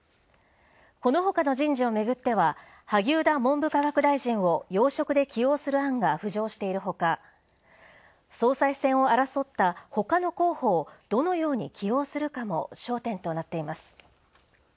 このほかの人事をめぐっては、萩生田文部科学大臣を要職で起用する案が浮上しているほか、総裁選を争った他の候補をどのように起用するかも焦点となっています。